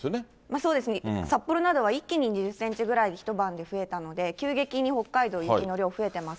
そうですね、札幌などは一気に２０センチぐらい、一晩で増えたので、急激に北海道、雪の量増えてます。